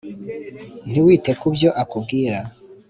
ntiwite kubyo akubwira